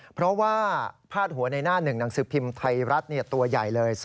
เพราะว่าพาดหัวในหน้าหนึ่งหนังสือพิมพ์ไทยรัฐตัวใหญ่เลย